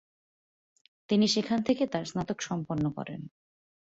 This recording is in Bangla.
তিনি সেখান থেকে তার স্নাতক সম্পন্ন করেন।